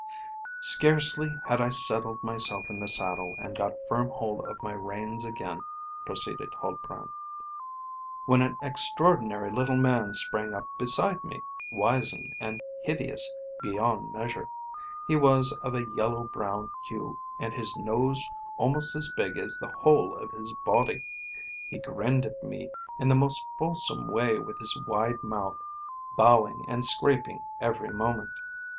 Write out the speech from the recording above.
"Scarcely had I settled myself in the saddle, and got firm hold of my reins again," proceeded Huldbrand, "when an extraordinary little man sprang up beside me, wizen and hideous beyond measure; he was of a yellow brown hue, and his nose almost as big as the whole of his body. He grinned at me in the most fulsome way with his wide mouth, bowing and scraping every moment.